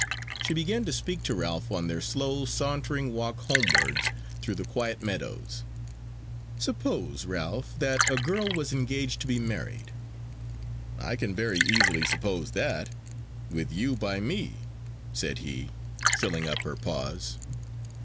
She began to speak to Ralph on their slow, sauntering walk homewards through the quiet meadows: "Suppose, Ralph, that a girl was engaged to be married " "I can very easily suppose that, with you by me," said he, filling up her pause.